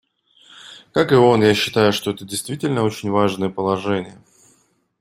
Как и он, я считаю, что это действительно очень важные положения.